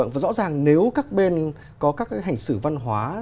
và rõ ràng nếu các bên có các cái hành xử văn hóa